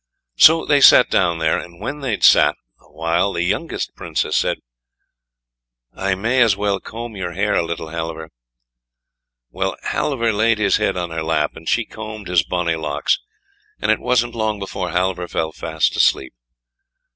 So they sat down there, and when they had sat a while the youngest Princess said: "I may as well comb your hair a little, Halvor." Well, Halvor laid his head on her lap, and she combed his bonny locks, and it wasn't long before Halvor fell fast asleep.